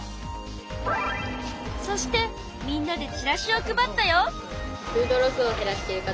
そしてみんなでチラシを配ったよ！